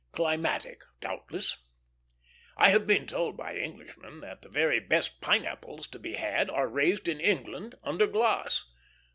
Climatic, doubtless. I have been told by Englishmen that the very best pineapples to be had are raised in England under glass.